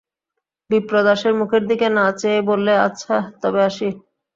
বিপ্রদাসের মুখের দিকে না চেয়েই বললে আচ্ছা, তবে আসি।